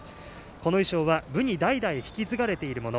この衣装は部に代々引き継がれているもの。